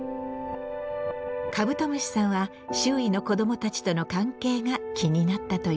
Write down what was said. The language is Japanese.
カブトムシさんは周囲の子どもたちとの関係が気になったという。